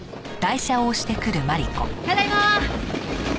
ただいまー！